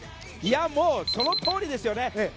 そのとおりですよね。